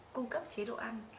cung cấp chế độ ăn